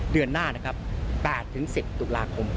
เดือนหน้า๘๑๐ศุฬาคม